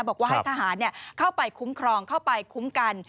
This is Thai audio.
บอกว่าให้ทหารเข้าไปคุ้มครองเข้าไปคุ้มกัน